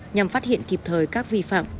nhằm phát hiện kịp thời các vi phạm